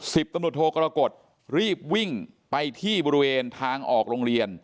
สิบตำรวจโทกรกฎรีบวิ่งไปที่บริเวณทางออกโรงเรียน